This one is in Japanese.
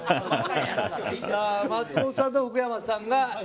松本さんと福山さんがＨＥＹ！